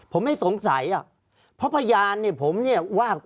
ภารกิจสรรค์ภารกิจสรรค์